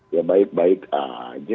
ya baik baik aja